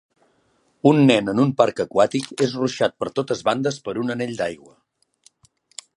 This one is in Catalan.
Un nen en un parc aquàtic és ruixat per totes bandes per un anell d'aigua.